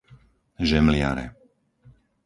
Žemliare